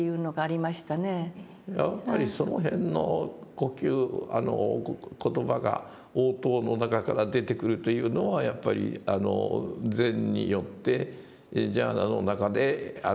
やっぱりその辺の呼吸言葉が応答の中から出てくるというのはやっぱり禅によってジャーナの中で。